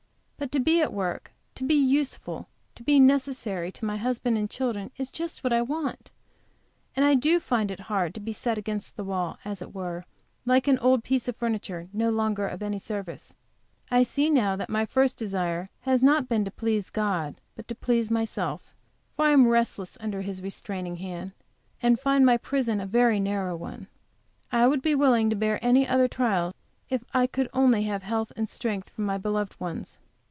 But to be at work, to be useful, to be necessary to my husband and children, is just what I want, and I do find it hard to be set against the wall, as it were, like an old piece of furniture no longer of any service I see now that my first desire has not been to please God, but to please myself, for I am restless under His restraining hand, and find my prison a very narrow one. I would be willing to bear any other trial, if I could only have health and strength for my beloved ones.